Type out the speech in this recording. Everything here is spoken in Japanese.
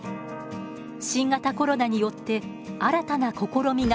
新型コロナによって新たな試みが広がっています。